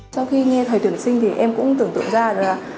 sau khi nghe thời tuyển sinh thì em cũng tưởng tượng ra